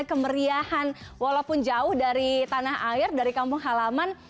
kemeriahan walaupun jauh dari tanah air dari kampung halaman